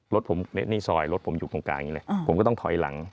รถผมนี่ซอยรถผมอยู่ตรงกลางอย่างนี้เลยผมก็ต้องถอยหลัง